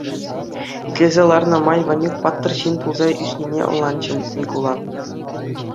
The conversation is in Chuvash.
Итлесе ларнӑ май Ванюк паттӑр ҫын пулса ӳснине ӑнланчӗ Микула.